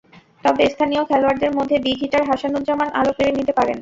তবে স্থানীয় খেলোয়াড়দের মধ্যে বিগ হিটার হাসানুজ্জামান আলো কেড়ে নিতে পারেন।